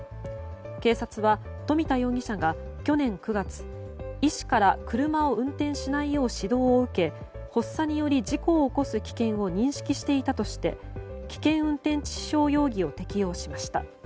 警察は冨田容疑者が、去年９月医師から車を運転しないよう指導を受け発作により事故を起こす危険を認識していたとして危険運転致死傷容疑を適用しました。